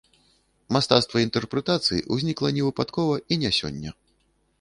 Мастацтва інтэрпрэтацыі ўзнікла не выпадкова і не сёння.